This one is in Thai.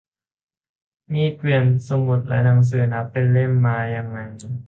มีด เกวียน สมุดและหนังสือ นับเป็นเล่ม มันมายังไง